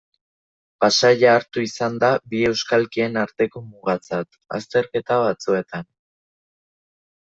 Pasaia hartu izan da bi euskalkien arteko mugatzat, azterketa batzuetan.